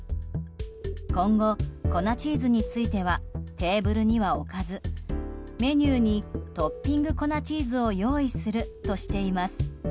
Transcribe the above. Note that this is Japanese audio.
今後、粉チーズについてはテーブルには置かずメニューにトッピング粉チーズを用意するとしています。